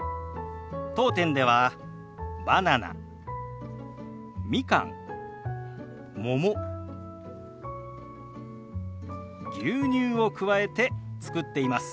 当店ではバナナみかんもも牛乳を加えて作っています。